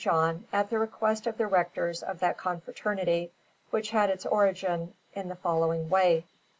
John, at the request of the Rectors of that Confraternity, which had its origin in the following way.